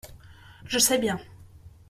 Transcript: Je le sais bien.